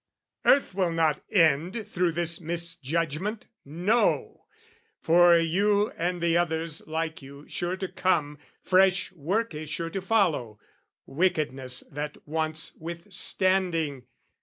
Earth will not end through this misjudgment, no! For you and the others like you sure to come, Fresh work is sure to follow, wickedness That wants withstanding.